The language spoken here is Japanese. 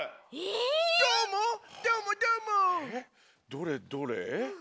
どれどれ。